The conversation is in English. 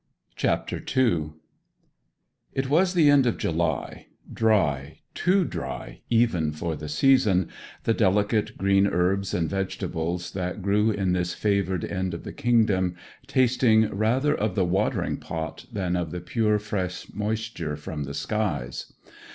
CHAPTER II It was the end of July dry, too dry, even for the season, the delicate green herbs and vegetables that grew in this favoured end of the kingdom tasting rather of the watering pot than of the pure fresh moisture from the skies.